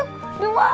aduh udah berat